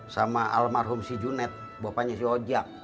sama almarhum si junet bapaknya si ojang